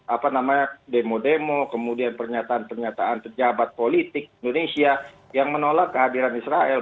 apa namanya demo demo kemudian pernyataan pernyataan pejabat politik indonesia yang menolak kehadiran israel